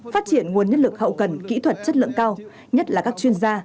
phát triển nguồn nhân lực hậu cần kỹ thuật chất lượng cao nhất là các chuyên gia